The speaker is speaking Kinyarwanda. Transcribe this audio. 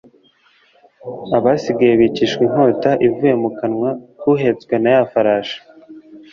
Abasigaye bicishwa inkota ivuye mu kanwa k’Uhetswe na ya farashi.